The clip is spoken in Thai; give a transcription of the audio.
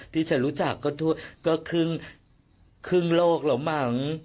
ที่ฉันรู้จักก็ครึ่งโลกแล้วมั้ง